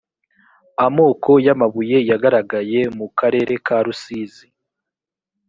amoko y ‘amabuye yagaragaye mu karere karusizi.